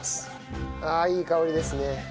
ああいい香りですね。